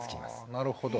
なるほど。